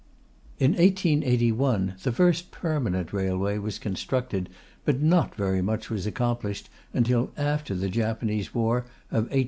In 1881 the first permanent railway was constructed, but not very much was accomplished until after the Japanese War of 1894 5.